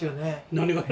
何が？